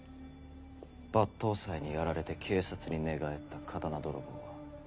抜刀斎にやられて警察に寝返った刀泥棒は。